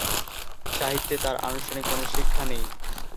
সাহিত্যে তার আনুষ্ঠানিক কোন শিক্ষা নেই।